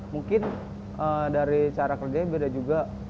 mungkin dari cara kerjanya beda juga